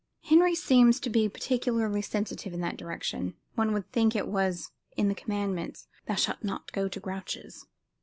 Henry seems to be particularly sensitive in that direction. One would think it was in the commandments: 'Thou shalt not go to Grouche's.'